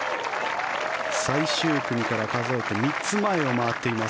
最終組から数えて３つ前を回っています。